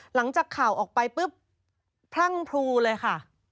หลังจากข่าวออกไปปุ๊บพรั่งพลูเลยค่ะ